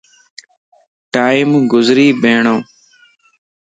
ٽيم گزري ٻيھڻو